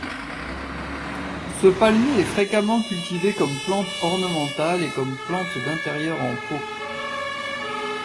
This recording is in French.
Ce palmier est fréquemment cultivé comme plante ornementale et comme plante d'intérieur en pot.